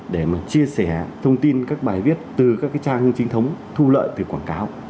để chia sẻ thông tin các bài viết từ các trang hương chính thống thu lợi từ quảng cáo